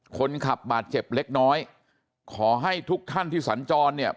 คนขับบาดเจ็บเล็กน้อยขอให้ทุกท่านที่สัญจรเนี่ย